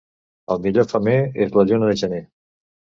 El millor femer és la lluna de gener.